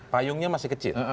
payungnya masih kecil